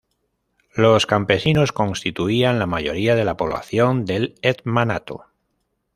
Los campesinos constituían la mayoría de la población del Hetmanato.